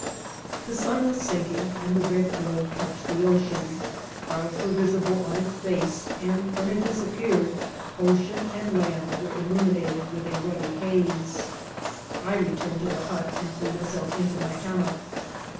The sun was sinking, and the red globe toudied the ocean; clouds were visible on its face, and when it disappeared, ocean and land were il luminated with a ruddy haze. I returned to the hut and threw myself into my hammock.